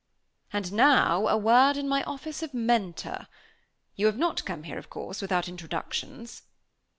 "And now a word in my office of Mentor. You have not come here, of course, without introductions?"